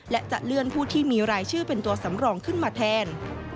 และจะเลื่อนผู้ที่มีรายชื่อเป็นตัวสำรองขึ้นมาแทน